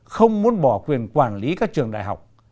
không muốn bỏ quyền quản lý các trường đại học